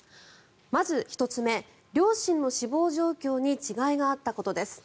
まず１つ目、両親の死亡状況に違いがあったことです。